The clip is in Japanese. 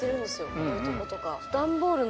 こういうとことか。